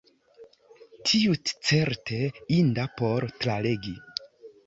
Tutcerte inda por tralegi.